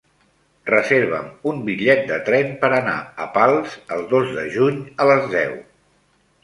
Reserva'm un bitllet de tren per anar a Pals el dos de juny a les deu.